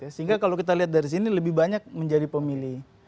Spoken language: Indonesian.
sehingga kalau kita lihat dari sini lebih banyak menjadi pemilih